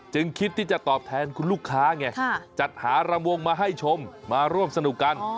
จึงคิดที่จะตอบแทนคุณลูกค้าไงจัดหารำวงมาให้ชมมาร่วมสนุกกัน